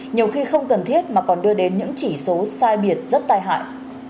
nhiều khi không cần thiết mà còn đưa đến những chỉ số sai biệt rất tai hại